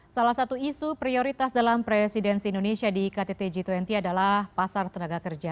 salah satu isu prioritas dalam presidensi indonesia di kttg dua puluh adalah pasar tenaga kerja